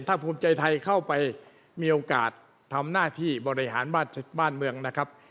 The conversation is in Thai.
ถ้าภูมิใจไทยเข้าไปมีโอกาสทำหน้าที่บริหารบ้านเมืองนะครับ